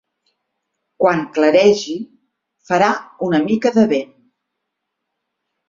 Quan claregi, farà una mica de vent.